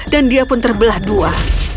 dan dia pun terbelah dua